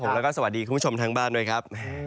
แล้วก็สวัสดีคุณผู้ชมทางบ้านด้วยครับ